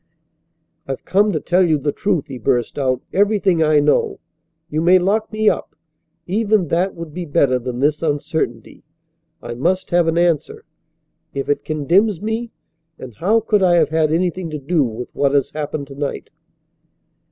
"I've come to tell you the truth," he burst out, "everything I know. You may lock me up. Even that would be better than this uncertainty. I must have an answer, if it condemns me; and how could I have had anything to do with what has happened to night?"